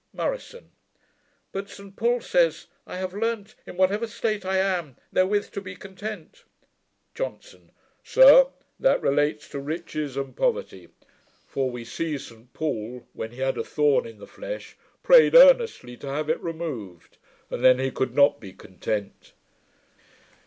MURISON. 'But St Paul says, "I have learnt, in whatever state I am, therewith to be content." 'JOHNSON. 'Sir, that relates to riches and poverty; for we see St Paul, when he had a thorn in the flesh, prayed earnestly to have it removed; and then he could not be content.'